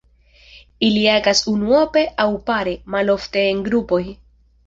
Ili agas unuope aŭ pare, malofte en grupoj.